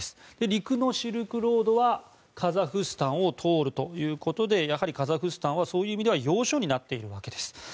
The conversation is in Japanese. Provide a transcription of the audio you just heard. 陸のシルクロードはカザフスタンを通るということでやはりカザフスタンはそういう意味では要所になっているわけです。